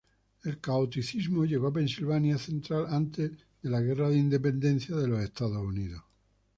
El catolicismo llegó a Pennsylvania central antes de la guerra revolucionaria de Estados Unidos.